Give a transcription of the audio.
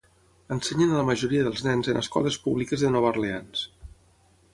Ensenyen a la majoria dels nens en escoles públiques de Nova Orleans.